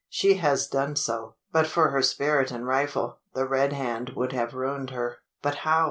She has done so. But for her spirit and rifle, the Red Hand would have ruined her." "But how?